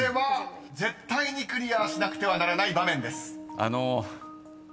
あの。